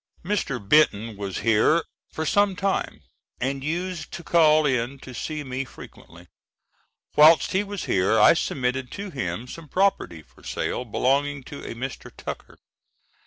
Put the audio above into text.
Mr. Benton was here for some time and used to call in to see me frequently. Whilst he was here I submitted to him some property for sale, belonging to a Mr. Tucker.